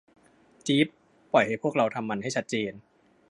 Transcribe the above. จีฟ ปล่อยให้พวกเราทำมันให้ชัดเจน